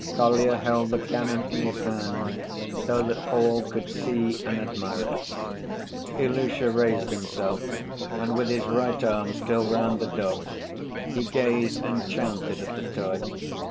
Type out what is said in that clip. Kolya held the cannon in his hand so that all could see and admire it. Ilusha raised himself, and, with his right arm still round the dog, he gazed enchanted at the toy.